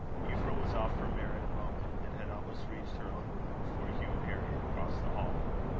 Euphra was off her mare in a moment, and had almost reached her own room before Hugh and Harry had crossed the hall.